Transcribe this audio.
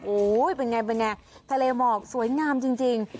อู้ยเป็นไงทะเลหมอกสวยงามจริง